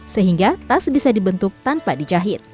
sehingga tas bisa dibentuk tanpa dijahit